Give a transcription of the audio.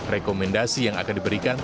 rekomendasi yang akan diberikan